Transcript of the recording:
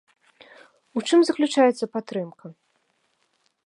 У чым заключаецца падтрымка?